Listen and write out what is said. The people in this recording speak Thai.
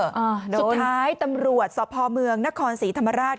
สุดท้ายตำรวจสพเมืองนครศรีธรรมราช